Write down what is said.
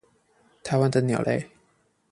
台灣的鳥類